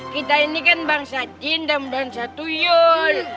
kita ini kan bangsa cinta mudah mudahan satu yol